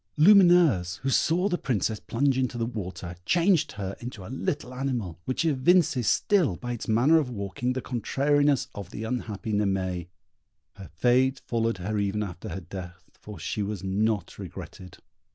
Lumineuse, who saw the Princess plunge into the water, changed her into a little animal, which evinces still, by its manner of walking, the contrariness of the unhappy Naimée. Her fate followed her even after death, for she was not regretted.